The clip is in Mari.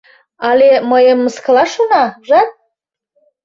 Але мыйым мыскылаш шона, ужат...